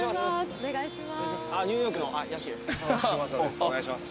お願いします。